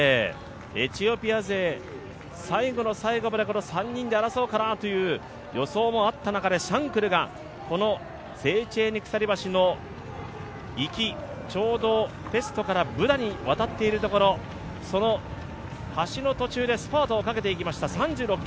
エチオピア勢、最後の最後まで３人で争うかという予想もあった中でシャンクルが、セーチェーニ鎖橋の行き、ペストからブダに渡っているところ、その橋の途中でスパートをかけていきました。